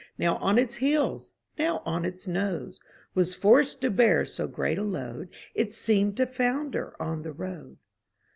Now on its heels, now on its nose. Was forced to bear so great a load. It seemed to founder on the road.